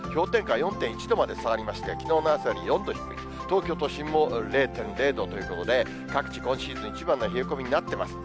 ４．１度まで、下がりまして、きのうの朝より４度低い、東京都心も０．０度ということで、各地、今シーズン一番の冷え込みになってます。